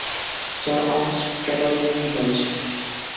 চার ounce palladium ঢালছি।